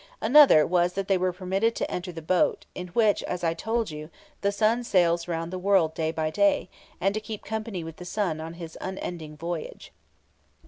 Another was that they were permitted to enter the boat, in which, as I told you, the sun sails round the world day by day, and to keep company with the sun on his unending voyage.